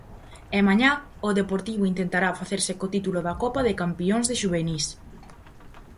E mañá o Deportivo intentará facerse co título da Copa de Campións de xuvenís.